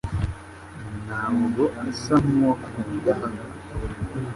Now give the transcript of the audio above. ntabwo asa nkuwakunda hano.